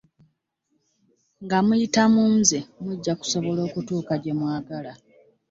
Nga muyita mu nze mujja kusobola okutuuka gye mwagala.